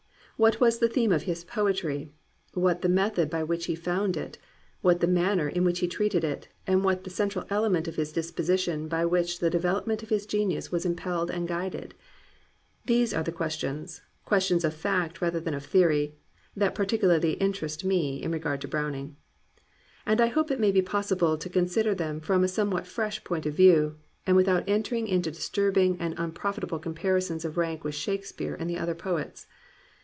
What was the theme of his poetry, what the method by which he found it, what the manner in which he treated it, and what the cen tral element of his disposition by which the develop ment of his genius was impelled and guided ? These are the questions, — questions of fact rather than of theory, — that particularly interest me in regard to Browning. And I hope it may be possible to con sider them from a somewhat fresh point of view, and without entering into disturbing and unprofit able comparisons of rank with Shakespeare and the other poets.